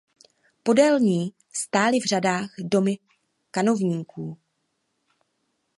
Podél ní stály v řadách domy kanovníků.